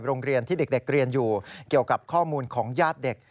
โรงเรียนที่เด็กเรียนอยู่เกี่ยวกับข้อมูลของญาติเด็ก